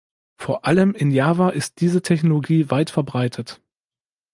Vor allem in Java ist diese Technologie weit verbreitet.